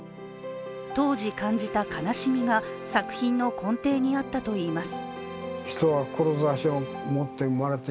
当時感じた悲しみが作品の根底にあったといいます。